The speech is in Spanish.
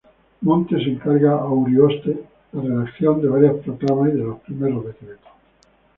Montes encarga a Urioste la redacción de varias proclamas y de los primeros decretos.